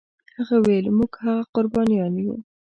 هغه ویل موږ هغه قربانیان یو.